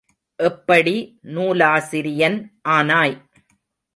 எப்படி நூலாசிரியன் ஆனாய்?